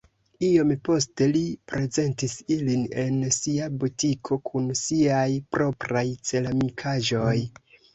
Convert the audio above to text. Iom poste li prezentis ilin en sia butiko kun siaj propraj ceramikaĵoj.